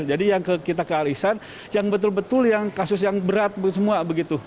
jadi yang kita ke al ihsan yang betul betul kasus yang berat semua begitu